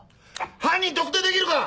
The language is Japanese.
犯人特定できるか？